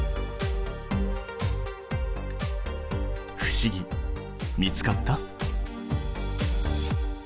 不思議見つかった？